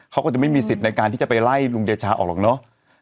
เขาก็จะไม่มีสิทธิ์ในการที่จะไปไล่ลุงเดชาออกหรอกเนอะ